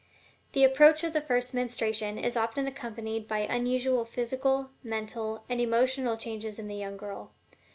The approach of the first menstruation is often accompanied by unusual physical, mental and emotional changes in the young girl.